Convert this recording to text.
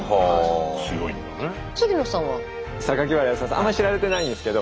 あんまり知られてないんですけど。